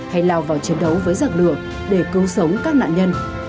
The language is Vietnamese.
hay lao vào chiến đấu với giặc lửa để cứu sống các nạn nhân